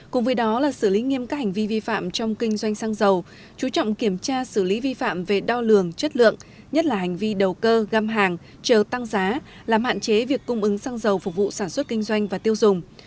cùng với đó là xử lý nghiêm các hành vi vi phạm trong kinh doanh xăng dầu chú trọng kiểm tra xử lý vi phạm về đo lường chất lượng nhất là hành vi đầu cơ găm hàng chờ tăng giá làm hạn chế việc cung ứng xăng dầu phục vụ sản xuất kinh doanh và tiêu dùng